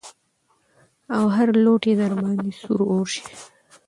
او هر لوټ يې د درباندې سور اور شي.